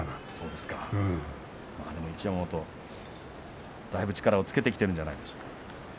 でも一山本だいぶ力をつけてきているんじゃないですか。